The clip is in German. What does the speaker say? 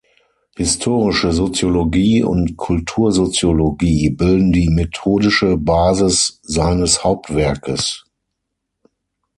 Historische Soziologie und Kultursoziologie bilden die methodische Basis seines Hauptwerkes.